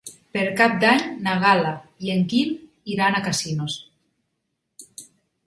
Per Cap d'Any na Gal·la i en Guim iran a Casinos.